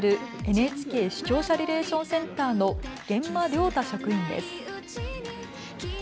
ＮＨＫ視聴者リレーションセンターの玄間稜太職員です。